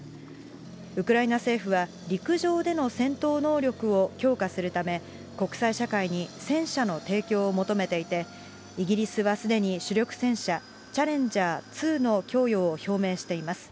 ウクライナ政府は、陸上での戦闘能力を強化するため、国際社会に戦車の提供を求めていて、イギリスはすでに主力戦車チャレンジャー２の供与を表明しています。